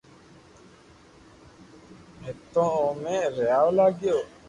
ھينرن او مي رھيوا لاگيو